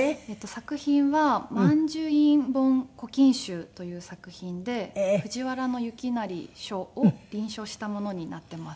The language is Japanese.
作品は『曼殊院本古今集』という作品で藤原行成書を印書したものになっています。